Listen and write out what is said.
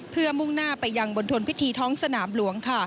เพื่อมุ่งหน้าไปยังบนทนพิธีท้องสนามหลวง